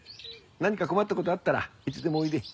何か困った事あったらいつでもおいで。